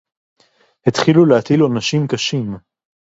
הִתְחִילוּ לְהַטִיל עוֹנָשִים קָשִים.